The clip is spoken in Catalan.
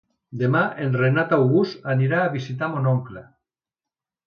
Demà en Renat August anirà a visitar mon oncle.